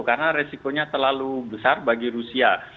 karena resikonya terlalu besar bagi rusia